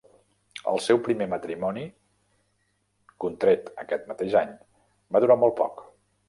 El seu primer matrimoni, contret aquest mateix any, va durar molt poc.